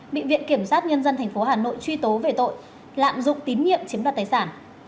bị viện kiểm sát nhân dân tp hà nội truy tố về tội lạm dụng tín nhiệm chiếm đoạt tài sản